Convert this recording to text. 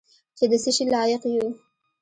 چې د څه شي لایق یو .